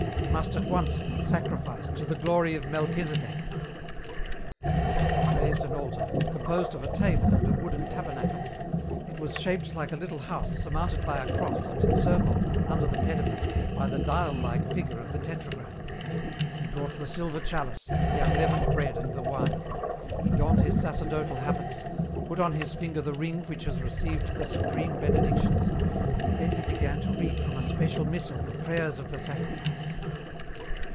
We must at once sacrifice to the glory of Melchisedek.' "He raised an altar, composed of a table and a wooden tabernacle. It was shaped like a little house surmounted by a cross and encircled, under the pediment, by the dial like figure of the tetragram. He brought the silver chalice, the unleavened bread and the wine. He donned his sacerdotal habits, put on his finger the ring which has received the supreme benedictions, then he began to read from a special missal the prayers of the sacrifice.